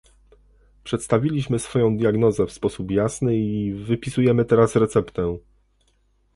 Przedstawiliśmy swoją diagnozę w sposób jasny i wypisujemy teraz receptę